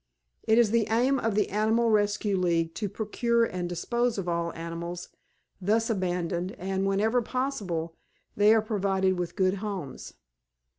It is the aim of the Animal Rescue League to procure and dispose of all animals thus abandoned and, whenever possible, they are provided with good homes.